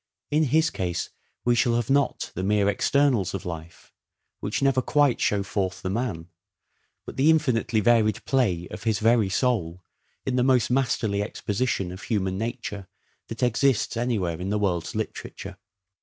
In his case we shall have not the mere externals of life, which never quite show forth the man, but the infinitely varied play of his very soul in the most masterly exposition of human nature that exists anywhere in the world's literature.